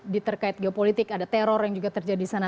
diterkait geopolitik ada teror yang juga terjadi di sana